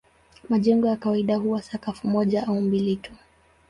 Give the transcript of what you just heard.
Majengo ya kawaida huwa sakafu moja au mbili tu.